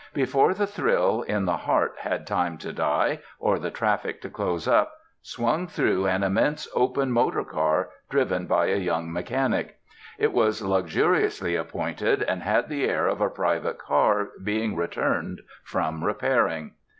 Before the thrill in the heart had time to die, or the traffic to close up, swung through an immense open motor car driven by a young mechanic. It was luxuriously appointed, and had the air of a private car being returned from repairing.